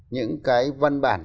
những cái văn bản